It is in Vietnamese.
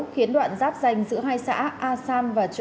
khiến đoạn giáp danh giữa hai xã a san và trị xuyên